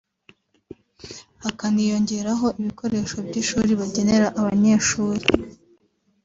hakaniyongeraho ibikoresho by’ishuri bagenera abanyeshuri